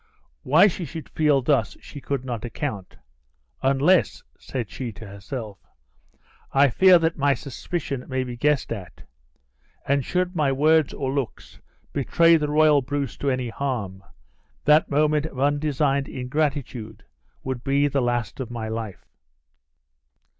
Why she should feel thus she could not account, "unless," said she to herself, "I fear that my suspicion may be guessed at; and should my words or looks betray the royal Bruce to any harm, that moment of undesigned ingratitude would be the last of my life."